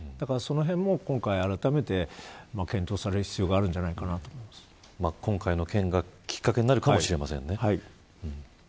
そのへんも今回あらためて検討される必要が今回の件が、きっかけになるかもしれませんね。